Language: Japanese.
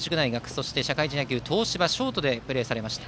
そして社会人野球の東芝でショートとしてプレーされました。